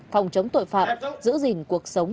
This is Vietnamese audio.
phòng chống tội phạm giữ gìn cuộc sống